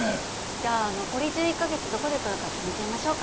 じゃあ残り１１か月どこで撮るか決めちゃいましょうか。